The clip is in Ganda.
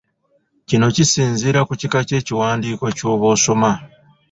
Kino kisinziira ku kika ky'ekiwandiiko ky'oba osoma.